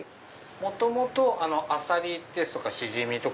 元々アサリですとかシジミとか。